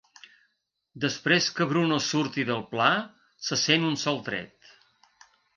Després que Bruno surti de pla, se sent un sol tret.